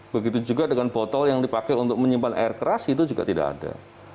begitu juga dengan botol yang dipakai untuk menyimpan air keras itu juga tidak ada